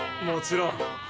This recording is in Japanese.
もちろん。